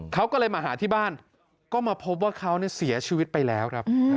เขาก็เลยมาหาที่บ้านก็มาพบว่าเขาเสียชีวิตไปแล้วครับ